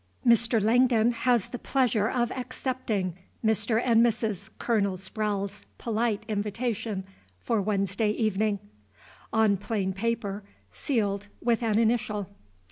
"Mr. Langdon has the pleasure of accepting Mr. and Mrs. Colonel Sprowle's polite invitation for Wednesday evening." On plain paper, sealed with an initial.